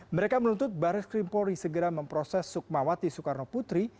mereka menuntut barreskrim pori segera memproses sukmawati soekarno putri